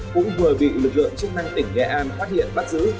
cũng vừa bị lực lượng chức năng tỉnh nghệ an phát hiện bắt giữ